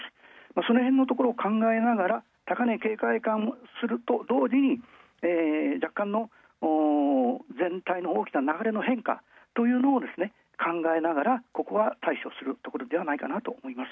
その辺のところを考えながら、高値警戒感同時に、若干の全体の大きな流れの変化というのを考えながら、ここは対処するところではないかなと思います。